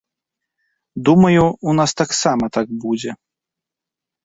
Думаю, у нас таксама так будзе.